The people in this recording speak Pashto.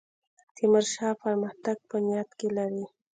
تیمورشاه پرمختګ په نیت کې لري.